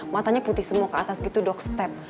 matanya putih semua ke atas gitu dok step